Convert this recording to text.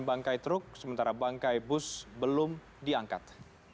dan bangkai truk sementara bangkai bus belum diangkat